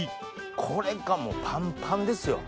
これがもうパンパンですよ